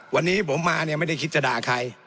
วันนี้ผมมาเนี่ยไม่ได้คิดจะด่าใคร